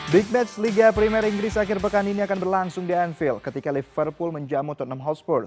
big match liga primer inggris akhir pekan ini akan berlangsung di anfield ketika liverpool menjamu tottenham hotspur